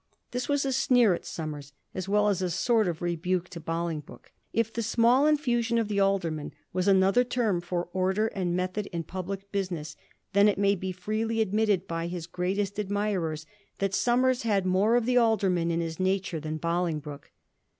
This was a sneer at Somers, as well as a sort of rebuke to Bolingbroke. If the ' small in fusion of the alderman ' was another term for order and method in public business, then it may be freely admitted by his greatest admirers that Somers had more of the alderman in his nature than Bolingbroke.